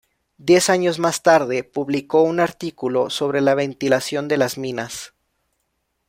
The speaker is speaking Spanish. Diez años más tarde publicó un artículo sobre la ventilación de las minas.